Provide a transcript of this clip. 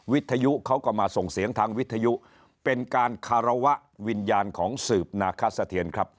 วิทยุเขาก็มาส่งเสียงทางวิทยุเป็นการคารวะวิญญาณของสืบนาคสะเทียนครับ